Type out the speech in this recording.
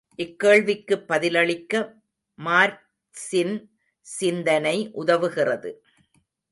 இக்கேள்விக்குப் பதிலளிக்க மார்க்சின் சிந்தனை உதவுகிறது.